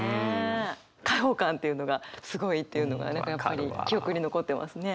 開放感っていうのがすごいっていうのが何かやっぱり記憶に残ってますね。